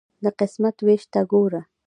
د قسمت ویش ته ګوره.